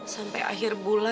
sampai akhir bulan